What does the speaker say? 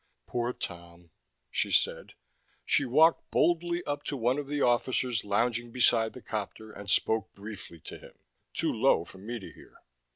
"Poor Tom," she said. She walked boldly up to one of the officers lounging beside the copter and spoke briefly to him, too low for me to hear.